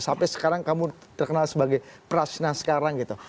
sampai sekarang kamu terkenal sebagai prashna sekarang gitu